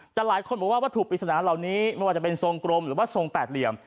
แต่หลายคนบอกว่าวัตถุปริศนาเหล่านี้ไม่ว่าจะเป็นทรงกรมหรือว่าทรงแปดเหลี่ยม